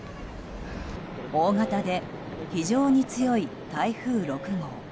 大型で非常に強い台風６号。